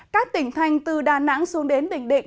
các tỉnh thành từ đà nẵng xuống đến bình định